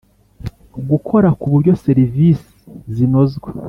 gukora ku buryo serivisi zinozwa